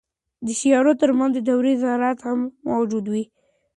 د سیارو ترمنځ دوړې ذرات هم موجود دي.